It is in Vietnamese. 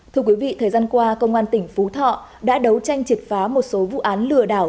thưa quý vị thời gian qua công an tỉnh phú thọ đã đấu tranh triệt phá một số vụ án lừa đảo